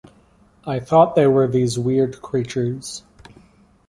I thought they were these weird creatures.